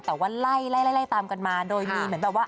แต่ว่าไล่ไล่ตามกันมาโดยมีเหมือนแบบว่า